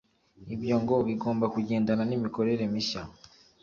Ibyo ngo bigomba kugendana n’imikorere mishya